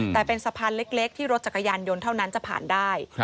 แต่เป็นสะพานเล็กที่รถจักรยานยนต์เท่านั้นจะผ่านได้